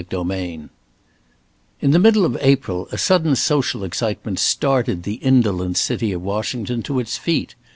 Chapter XI IN the middle of April a sudden social excitement started the indolent city of Washington to its feet.